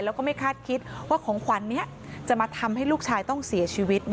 แล้วก็ไม่คาดคิดว่าของขวัญนี้จะมาทำให้ลูกชายต้องเสียชีวิต